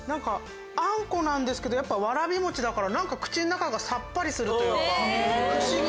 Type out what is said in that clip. あんこなんですけどやっぱわらび餅だから口の中がさっぱりするというか。